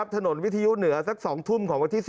ถนนวิทยุเหนือสัก๒ทุ่ม